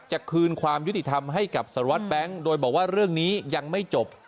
คืนความยุติธรรมให้กับสารวัตรแบงค์โดยบอกว่าเรื่องนี้ยังไม่จบ